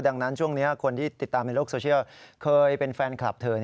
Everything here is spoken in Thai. ดังนั้นช่วงนี้คนที่ติดตามในโลกโซเชียลเคยเป็นแฟนคลับเธอ